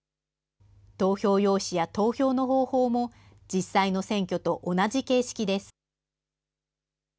投票用紙や投票の方法も、実際の選挙と同じ形式です。